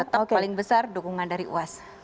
atau paling besar dukungan dari uas